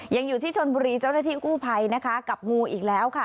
ยังอยู่ที่ชนบุรีเจ้าหน้าที่กู้ภัยนะคะกับงูอีกแล้วค่ะ